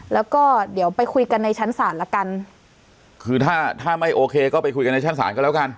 แล้วก็เดี๋ยวไปคุยกันในชั้นศาลละกันคือถ้าถ้าไม่โอเคก็ไปคุยกันในชั้นศาลก็แล้วกัน